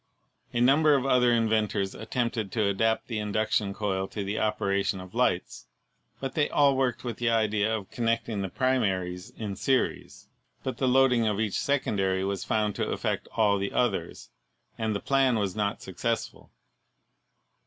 A number of other inventors at tempted to adapt the induction coil to the operation of lights, but they all worked with the idea of connecting the primaries in series, but the loading of each secondary was 208 ELECTRICITY found to affect all the others, and the plan was not suc cessful.